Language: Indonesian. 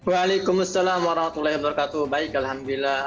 waalaikumsalam warahmatullahi wabarakatuh baik alhamdulillah